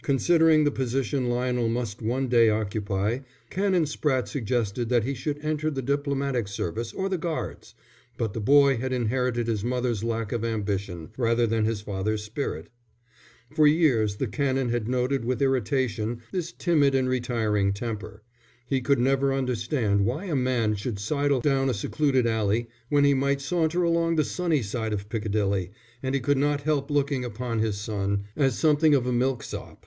Considering the position Lionel must one day occupy, Canon Spratte suggested that he should enter the diplomatic service or the Guards, but the boy had inherited his mother's lack of ambition rather than his father's spirit. For years the Canon had noted with irritation this timid and retiring temper. He could never understand why a man should sidle down a secluded alley when he might saunter along the sunny side of Piccadilly, and he could not help looking upon his son as something of a milksop.